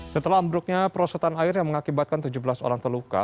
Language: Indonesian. setelah ambruknya perosotan air yang mengakibatkan tujuh belas orang terluka